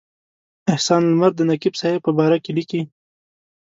احسان لمر د نقیب صاحب په باره کې لیکي.